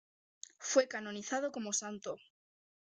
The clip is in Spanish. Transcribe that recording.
Fue canonizado como santo.